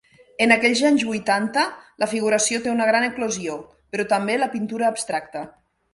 En aquells anys vuitanta, la figuració té una gran eclosió, però també la pintura abstracta.